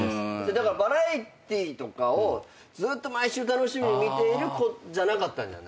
だからバラエティーとかをずっと毎週楽しみに見ている子じゃなかったんじゃない？